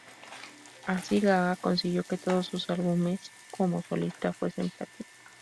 Así, Gaga consiguió que todos sus álbumes como solista fuesen platino.